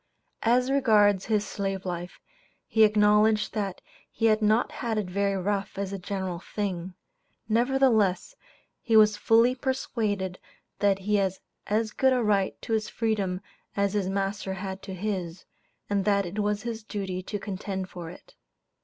As regards his slave life, he acknowledged that he had not had it very rough as a general thing; nevertheless, he was fully persuaded that he had "as good a right to his freedom" as his "master had to his," and that it was his duty to contend for it.